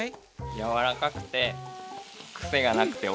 やわらかくてクセがなくておいしいです。